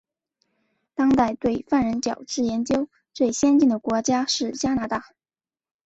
当代对犯人矫治研究最先进的国家是加拿大。